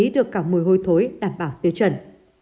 đối thối đảm bảo tiêu chuẩn